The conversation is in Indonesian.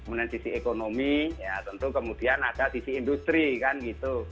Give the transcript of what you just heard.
kemudian sisi ekonomi ya tentu kemudian ada sisi industri kan gitu